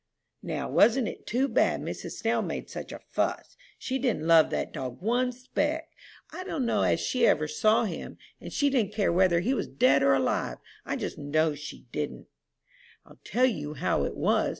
"Now wasn't it too bad Mrs. Snell made such a fuss? She didn't love that dog one speck, I don't know as she ever saw him, and she didn't care whether he was dead or alive. I just know she didn't." "I'll tell you how it was.